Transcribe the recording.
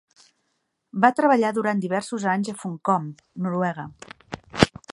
Va treballar durant diversos anys a Funcom, Noruega.